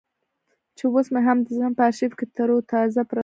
چې اوس مې هم د ذهن په ارشيف کې ترو تازه پرته ده.